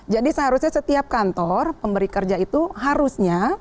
jadi seharusnya setiap kantor pemberi kerja itu harusnya